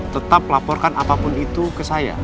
tetap laporkan apapun itu ke saya